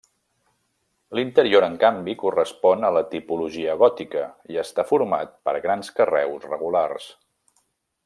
L'interior en canvi, correspon a la tipologia gòtica i està format per grans carreus regulars.